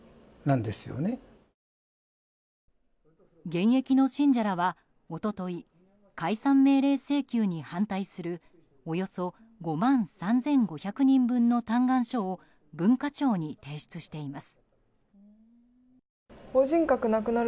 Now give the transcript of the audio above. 現役の信者らは、一昨日解散命令請求に反対するおよそ５万３５００人分の嘆願書を文化庁に提出しています。